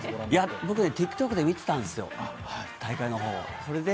僕、ＴｉｋＴｏｋで見てたんですよ、大会のほうを。